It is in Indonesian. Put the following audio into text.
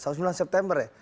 saat sembilan september ya